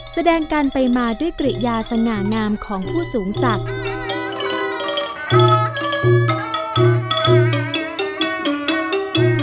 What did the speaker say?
แสดงกันไปมาด้วยกริยาสง่างามของผู้สูงศักดิ์